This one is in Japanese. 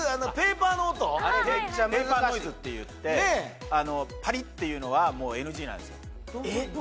はいはいペーパーノイズっていってパリッていうのはもうＮＧなんですよ